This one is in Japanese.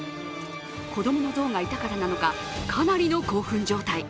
子供の象がいたからなのか、かなりの興奮状態。